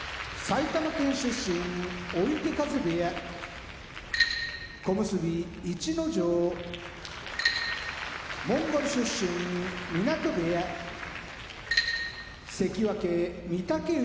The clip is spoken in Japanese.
追手風部屋小結・逸ノ城モンゴル出身湊部屋関脇・御嶽海